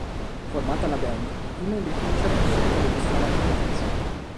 Formata la band, i membri cominciano subito a registrare alcune canzoni.